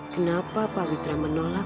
kenapa pak witra menolak